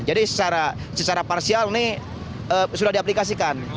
jadi secara secara parsial ini sudah diaplikasikan